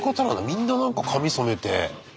みんななんか髪染めて。